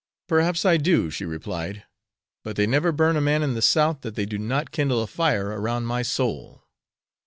"Perhaps I do," she replied, "but they never burn a man in the South that they do not kindle a fire around my soul."